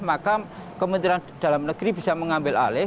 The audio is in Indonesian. maka kementerian dalam negeri bisa mengambil alih